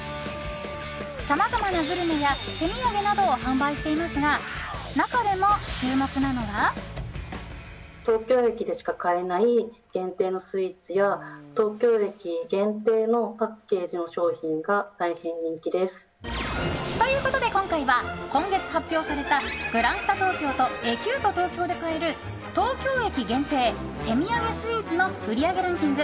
さまざまなグルメや手土産などを販売していますが中でも注目なのが。ということで、今回は今月発表されたグランスタ東京とエキュート東京で買える東京駅限定、手土産スイーツの売り上げランキング